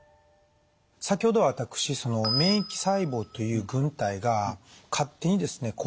先ほど私免疫細胞という軍隊が勝手にですね